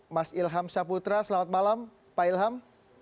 mas ilham saputra selamat malam pak ilham